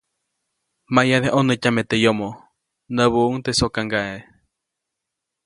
‒Maʼyade ʼnonätyame teʼ yomoʼ-, näbuʼuŋ teʼ sokaŋgaʼe.